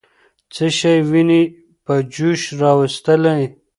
څه شی ويني په جوش راوستلې؟